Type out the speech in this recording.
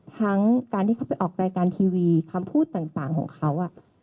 ทั้งการที่เขาไปออกรายการทีวีคำพูดต่างของเขา